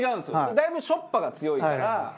だいぶしょっぱが強いから。